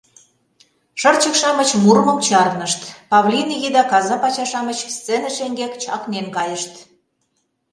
Шырчык-шамыч мурымым чарнышт, павлин иге да каза пача-шамыч сцене шеҥгек чакнен кайышт.